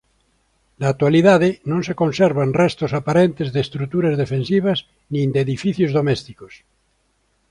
Na actualidade non se conservan restos aparentes de estruturas defensivas nin de edificios domésticos.